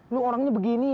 lo orangnya begini ya